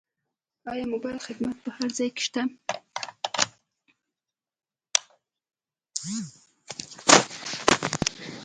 آیا موبایل خدمات په هر ځای کې نشته؟